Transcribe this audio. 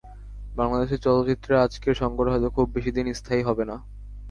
বাংলাদেশের চলচ্চিত্রের আজকের সংকট হয়তো খুব বেশি দিন স্থায়ী হবে না।